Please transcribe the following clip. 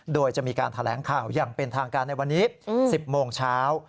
โดยจะมีการแถลงข่าวอย่างเป็นทางการในวันนี้๑๐โมงเช้า